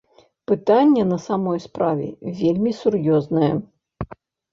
Пытанне на самай справе вельмі сур'ёзнае.